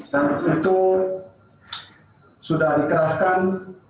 dan itu sudah dikerahkan